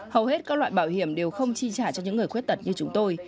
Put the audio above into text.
hầu hết các loại bảo hiểm đều không chi trả cho những người khuyết tật như chúng tôi